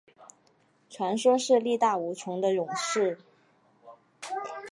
传说是力大无穷的勇士。